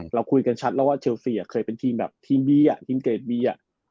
เราคุยกันชัดแล้วว่าเชลสีอ่ะเคยเป็นทีมเวียทีมเกรดเวีย